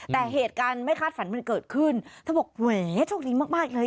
แต่เหตุการณ์ไม่คาดฝันมันเกิดขึ้นเธอบอกแหมโชคดีมากเลย